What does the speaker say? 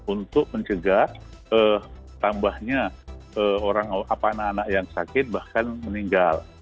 untuk mencegah tambahnya anak anak yang sakit bahkan meninggal